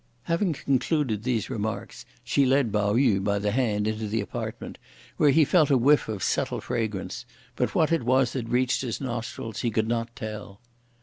Having concluded these remarks, she led Pao yü by the hand into the apartment, where he felt a whiff of subtle fragrance, but what it was that reached his nostrils he could not tell.